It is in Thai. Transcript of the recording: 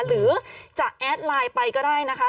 หรือจะแอดไลน์ไปก็ได้นะคะ